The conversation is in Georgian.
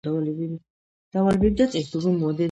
შემდეგ მეორედან გვაქვს შვიდი ათეული, ეს არის სამოცდაათი.